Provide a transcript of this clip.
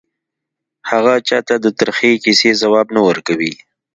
هغه چا ته د ترخې کیسې ځواب نه ورکوي